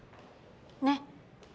ねっ？